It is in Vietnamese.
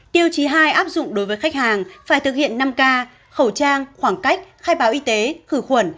tiêu chí hai áp dụng đối với khách hàng phải thực hiện năm k khẩu trang khoảng cách khai báo y tế khử khuẩn